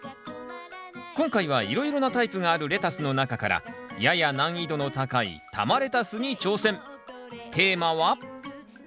今回はいろいろなタイプがあるレタスの中からやや難易度の高い玉レタスに挑戦。